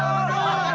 tidak ada apa pak